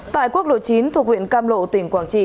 tại quốc lộ chín thuộc huyện cam lộ tỉnh quảng trị